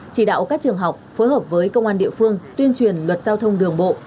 chỉ đạo các trường học phối hợp với công an địa phương tuyên truyền luật giao thông đường bộ